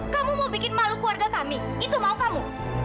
kamu mau bikin malu keluarga kami itu mau kamu